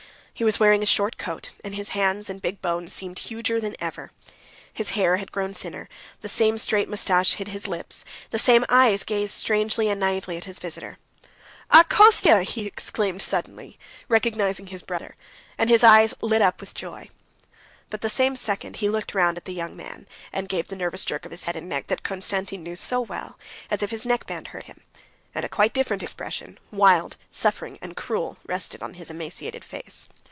He was wearing a short coat, and his hands and big bones seemed huger than ever. His hair had grown thinner, the same straight mustaches hid his lips, the same eyes gazed strangely and naïvely at his visitor. "Ah, Kostya!" he exclaimed suddenly, recognizing his brother, and his eyes lit up with joy. But the same second he looked round at the young man, and gave the nervous jerk of his head and neck that Konstantin knew so well, as if his neckband hurt him; and a quite different expression, wild, suffering, and cruel, rested on his emaciated face.